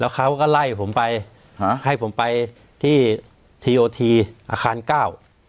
เขาก็ไล่ผมไปฮะให้ผมไปที่ทีโอทีอาคารเก้า